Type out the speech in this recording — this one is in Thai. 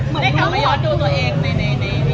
มึงยอดดูตัวเองในนี่นะคะ